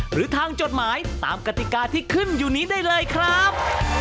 หรือทางจดหมายตามกติกาที่ขึ้นอยู่นี้ได้เลยครับ